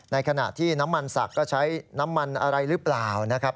ในขณะที่น้ำมันสักก็ใช้น้ำมันอะไรหรือเปล่านะครับ